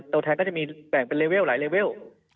ตัวแทนก็จะมีแบ่งเป็นเลเวลหลายเลเวล